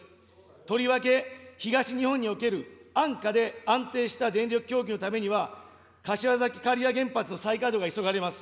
とりわけ東日本における安価で安定した電力供給のためには、柏崎刈羽原発の再稼働が急がれます。